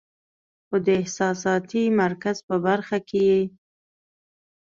خو د احساساتي مرکز پۀ برخه کې ئې